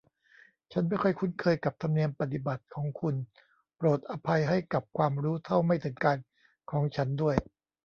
ฉันไม่ค่อยคุ้นเคยกับธรรมเนียมปฏิบัติของคุณ โปรดอภัยให้กับความรู้เท่าไม่ถึงการณ์ของฉันด้วย